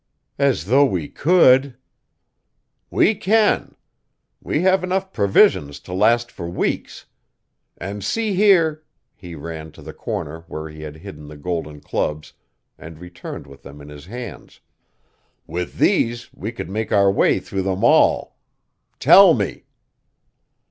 "As though we could!" "We can! We have enough provisions to last for weeks. And see here," he ran to the corner where he had hidden the golden clubs and returned with them in his hands, "with these we could make our way through them all. Tell me!"